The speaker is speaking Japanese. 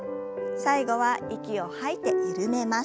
最後は息を吐いて緩めます。